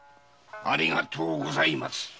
ありがとうございます。